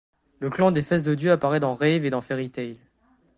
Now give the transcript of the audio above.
Le clan des fesses dodues apparaît dans Rave et dans Fairy Tail.